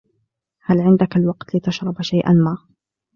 هل عندك الوقت لتشرب شيئا ما؟